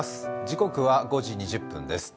時刻は５時２０分です。